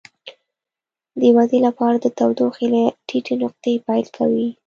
د ودې لپاره د تودوخې له ټیټې نقطې پیل کوي.